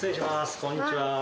こんにちは。